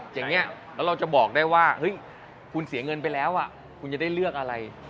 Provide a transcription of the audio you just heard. อย่างนี้แล้วเราจะบอกได้ว่าเฮ้ยคุณเสียเงินไปแล้วคุณจะได้เลือกอะไร